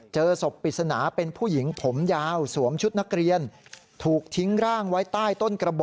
เจอศพปริศนาเป็นผู้หญิงผมยาวสวมชุดนักเรียนถูกทิ้งร่างไว้ใต้ต้นกระบุ